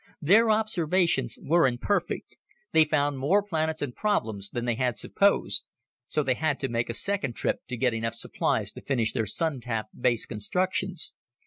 Their observations were imperfect. They found more planets and problems than they had supposed. So they had to make a second trip to get enough supplies to finish their Sun tap base constructions.